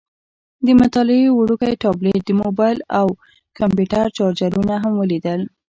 د مطالعې وړوکی ټابلیټ، د موبایل او کمپیوټر چارجرونه هم ولیدل.